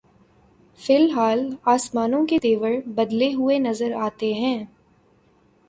فی الحال آسمانوں کے تیور بدلے ہوئے نظر آتے ہیں۔